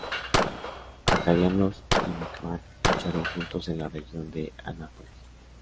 Acadianos y micmac lucharon juntos en la región de Annapolis.